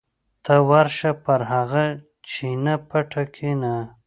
ته ورشه پر هغه چینه پټه کېنه.